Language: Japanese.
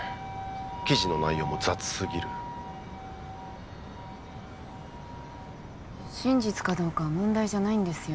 記事の内容も雑すぎる真実かどうかは問題じゃないんですよ